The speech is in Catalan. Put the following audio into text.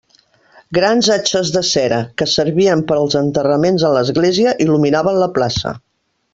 Grans atxes de cera, que servien per als enterraments en l'església, il·luminaven la plaça.